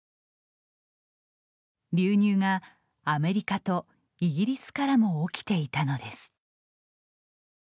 流入がアメリカとイギリスからも起きていたのです。